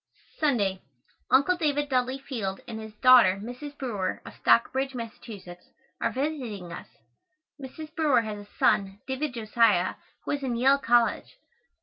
Sunday. Uncle David Dudley Field and his daughter, Mrs. Brewer, of Stockbridge, Mass., are visiting us. Mrs. Brewer has a son, David Josiah, who is in Yale College.